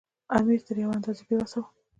امیر تر یوې اندازې بې وسه وو.